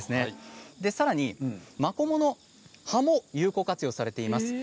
さらにマコモの葉も有効活用されています。